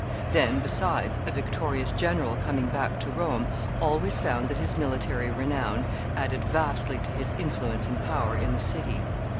Then, besides, a victorious general coming back to Rome always found that his military renown added vastly to his influence and power in the city.